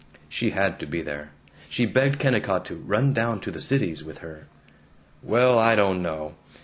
She had to be there! She begged Kennicott to "run down to the Cities" with her. "Well, I don't know.